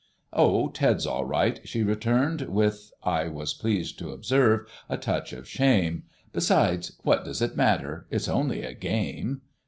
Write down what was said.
"Oh, Ted's all right," she returned with, I was pleased to observe, a touch of shame; "besides, what does it matter? It's only a game."